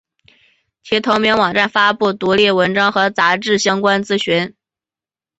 其同名网站发布独立文章和杂志相关资讯。